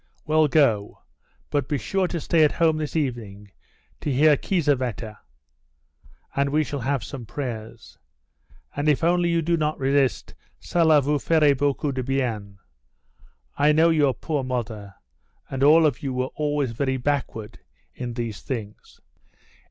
Well, go, but be sure to stay at home this evening to hear Kiesewetter, and we shall have some prayers. And if only you do not resist cela vous fera beaucoup de bien. I know your poor mother and all of you were always very backward in these things."